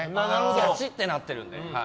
ガチってなってるんで。